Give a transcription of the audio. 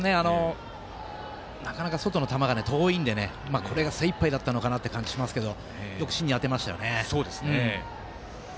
なかなか外の球が遠いのでこれが精いっぱいだったのかなという気がしますがよく芯に当てましたよね。